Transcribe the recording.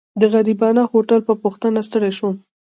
د غريبانه هوټل په پوښتنه ستړی شوم.